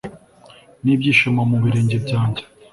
n'ibyishimo mu birenge byanjye.